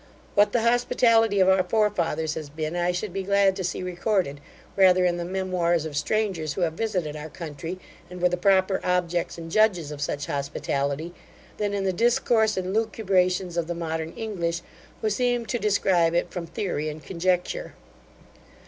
What the hospitality of our forefathers has been I should be glad to see recorded, rather in the memoirs of strangers who have visited our country, and were the proper objects and judges of such hospitality, than in the discourse and lucubrations of the modern English, who seem to describe it from theory and conjecture.